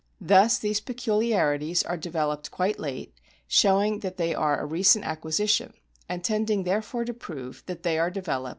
Thus these peculiarities are developed quite late, showing that they are a recent acquisition, and tending therefore to prove that they are developed PLATE V.